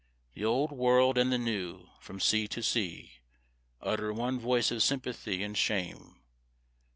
The Old World and the New, from sea to sea, Utter one voice of sympathy and shame.